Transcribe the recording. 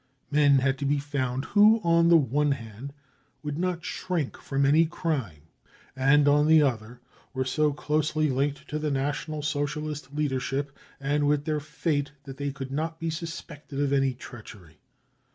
Men had to be found who on the one hand would not shrink from any crime, and on the other were so closely linked with the National Socialist leadership and with their fate that they could not be suspected of any treachery.